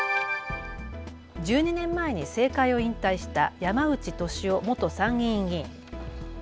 １２年前に政界を引退した山内俊夫元参議院議員。